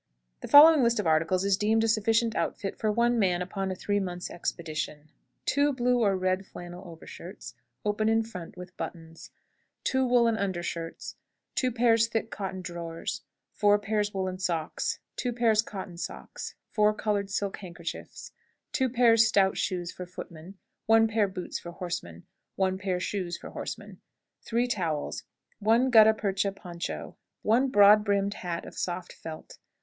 The following list of articles is deemed a sufficient outfit for one man upon a three months' expedition, viz.: 2 blue or red flannel overshirts, open in front, with buttons. 2 woolen undershirts. 2 pairs thick cotton drawers. 4 pairs woolen socks. 2 pairs cotton socks. 4 colored silk handkerchiefs. 2 pairs stout shoes, for footmen. 1 pair boots, for horsemen. 1 pair shoes, for horsemen. 3 towels. 1 gutta percha poncho. 1 broad brimmed hat of soft felt.